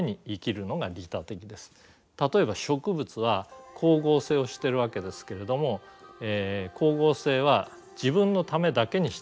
例えば植物は光合成をしてるわけですけれども光合成は自分のためだけにしてるわけじゃないです。